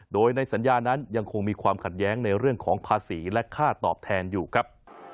โดยในสัญญานั้นยังคงมีความขัดแย้งในเรื่องของภาษีและค่าตอบแทนอยู่ครับ